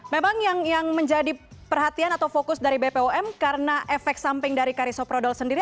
memang yang menjadi perhatian atau fokus dari bpom karena efek samping dari karisoprodol sendiri